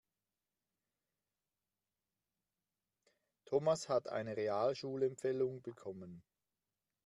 Thomas hat eine Realschulempfehlung bekommen.